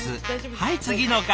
はい次の方！